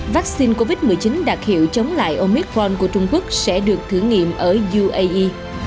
vaccine covid một mươi chín đặc hiệu chống lại omitforn của trung quốc sẽ được thử nghiệm ở uae